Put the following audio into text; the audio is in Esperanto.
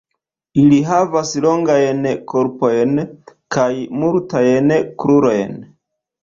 Ili havas longajn korpojn kaj multajn krurojn.